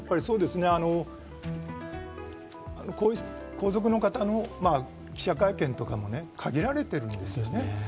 皇族の方の記者会見とかは限られているんですよね。